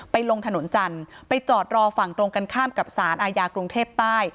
ลงถนนจันทร์ไปจอดรอฝั่งตรงกันข้ามกับสารอาญากรุงเทพใต้